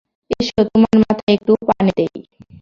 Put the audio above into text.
S, তোমার মাথায় একটু পানি দেই?